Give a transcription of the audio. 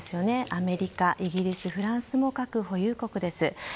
アメリカ、イギリス、フランスも核保有国です。